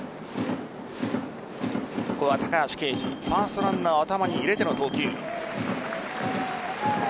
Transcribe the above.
ここは高橋奎二ファーストランナーを頭に入れての投球。